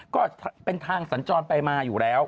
ก็เป็นทางสัญจรไปมาอยู่แล้ว